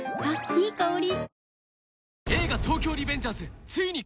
いい香り。